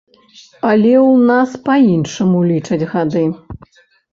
Але ў нас па-іншаму лічаць гады.